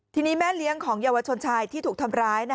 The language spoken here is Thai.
ทีนี้แม่เลี้ยงของเยาวชนชายที่ถูกทำร้าย